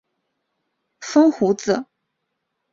风胡子。